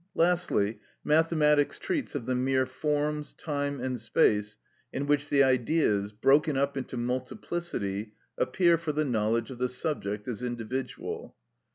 Lastly, mathematics treats of the mere forms, time and space, in which the Ideas, broken up into multiplicity, appear for the knowledge of the subject as individual.